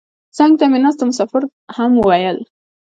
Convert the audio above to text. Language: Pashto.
څنګ ته مې ناستو مسافرو هم ویل.